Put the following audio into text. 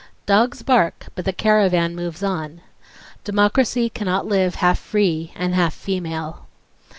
" 'Dogs bark, but the caravan moves on.' ... Democracy cannot live half free and half female."